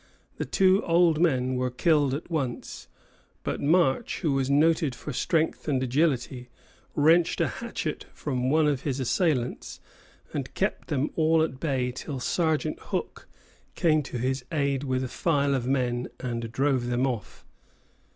The two old men were killed at once; but March, who was noted for strength and agility, wrenched a hatchet from one of his assailants, and kept them all at bay till Sergeant Hook came to his aid with a file of men and drove them off.